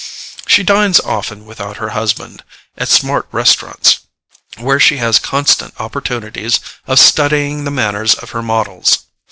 She dines often without her husband at smart restaurants, where she has constant opportunities of studying the manners of her models.